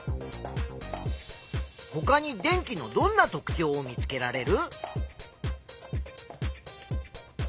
ほかに電気のどんな特ちょうを見つけられる？